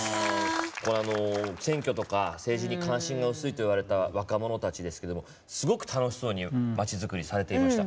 選挙とか政治に関心が薄いといわれた若者たちですけどもすごく楽しそうにまちづくりされていました。